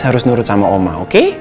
harus nurut sama oma oke